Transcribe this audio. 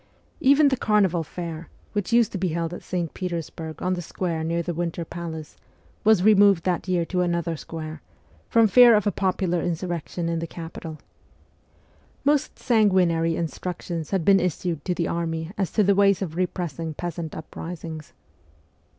Even the carnival fair, which used to be held at St. Peters burg on the square near the winter palace, was THE CORPS OF PAGES 165 removed that year to another square, from fear of a popular insurrection in the capital. Most sanguinary instructions had been issued to the army as to the ways of repressing peasant uprisings.